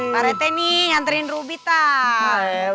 pareteni nyantarin ruby tak